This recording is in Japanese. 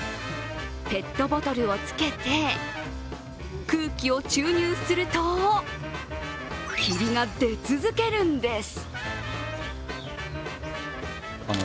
ペットボトルをつけて空気を注入すると、霧が出続けるんです。